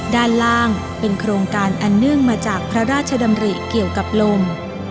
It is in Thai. ด้านล่างเป็นโครงการอันเนื่องมาจากพระราชดำริเกี่ยวกับลม